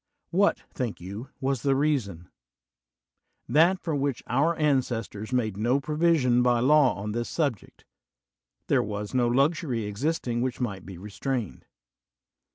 What, think you, was the reason? That for which our ancestors made no provision by law on this subject: there was no luxury existing which might be restrained.